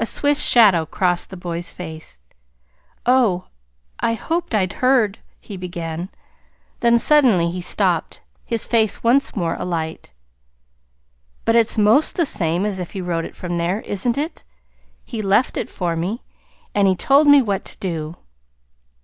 A swift shadow crossed the boy's face. "Oh, I hoped I'd heard " he began. Then suddenly he stopped, his face once more alight. "But it's 'most the same as if he wrote it from there, isn't it? He left it for me, and he told me what to do."